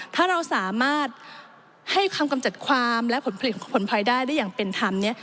ถ้าเราสามารถให้คำกำจัดความและผลผลิตของผลภัยได้ได้อย่างเป็นธรรมเนี่ย